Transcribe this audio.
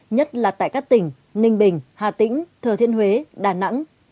nhất là tại các tỉnh ninh bình hà tĩnh thừa thiên huế đà nẵng